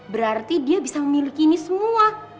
berarti dia bisa memiliki ini semua